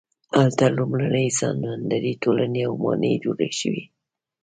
هلته لومړنۍ سمندري ټولنې او ماڼۍ جوړې شوې.